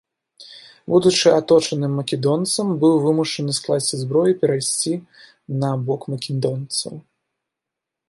Будучы аточаным македонцамі, быў вымушаны скласці зброю і перайсці на бок македонцаў.